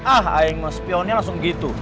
ah yang nge spionnya langsung gitu